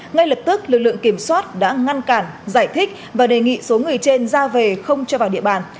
ngay lập tức lực lượng kiểm soát đã ngăn cản giải thích và đề nghị số người trên ra về không cho vào địa bàn